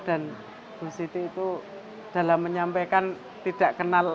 dan bu siti itu dalam menyampaikan tidak kenal